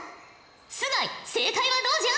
須貝正解はどうじゃ？